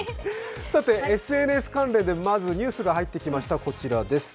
ＳＮＳ関連でまずニュースが入ってきました、こちらです。